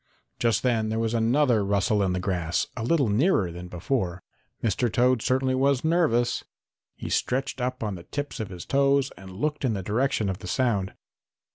Just then there was another rustle in the grass, a little nearer than before. Mr. Toad certainly was nervous. He stretched up on the tips of his toes and looked in the direction of the sound.